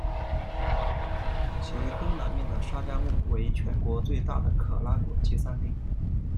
其东南面的沙加穆为全国最大的可拉果集散地。